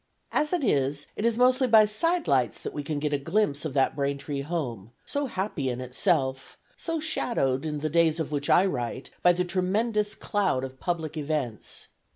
As it is, it is mostly by side lights that we can get a glimpse of that Braintree home, so happy in itself, so shadowed, in the days of which I write, by the tremendous cloud of public events.